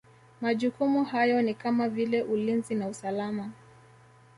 Majukumu hayo ni kama vile Ulinzi na usalama